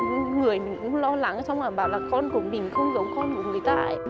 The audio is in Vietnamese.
người mình cũng lo lắng xong rồi bảo là con của mình không giống con của người tại